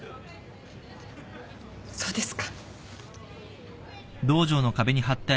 そうですか。